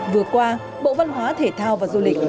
vừa qua bộ văn hóa thể thao và du lịch